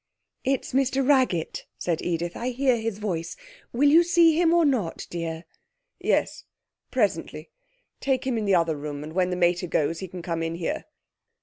'It's Mr Raggett,' said Edith; 'I heard his voice. Will you see him or not, dear?' 'Yes. Presently. Take him in the other room, and when the mater goes he can come in here.'